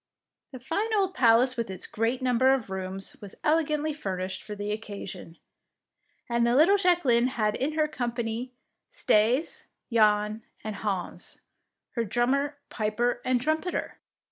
The fine old palace with its great number of rooms was elegantly furnished for the occasion, and the little Jacqueline had in her company Staes, Jan, and Hans, her drummer, piper, and trumpeter!